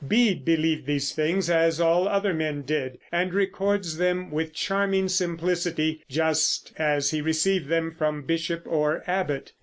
Bede believed these things, as all other men did, and records them with charming simplicity, just as he received them from bishop or abbot.